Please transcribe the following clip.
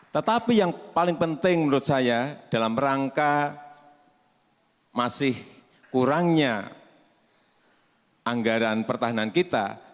tetapi yang paling penting menurut saya dalam rangka masih kurangnya anggaran pertahanan kita